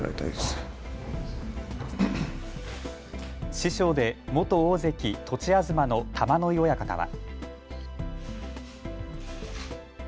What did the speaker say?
師匠で元大関・栃東の玉ノ井親方は。